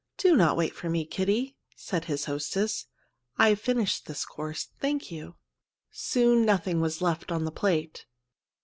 "Do not wait for me, Kitty," said his hostess; "I've finished this course, thank you." Soon nothing was left on the plate.